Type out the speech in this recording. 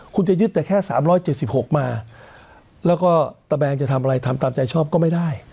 คุณจะยึดแต่แค่๓๗๖มาแล้วก็ตะแบงจะทำอะไรทำตามใจชอบก็ไม่ได้